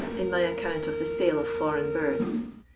98 in mj aeeoiiDt of the sale of foreign birdf